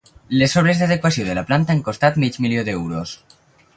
Les obres d'adequació de la planta han costat mig milió d'euros.